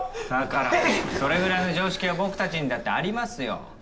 だからそれくらいの常識は僕たちにだってありますよ。